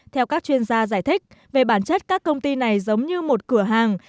theo các chuyên gia giải thích về bản chất các công ty này giống như một cửa hàng